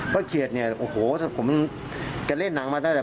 ป้าเขียดเนี่ยผมกันเล่นนางมาได้แหละ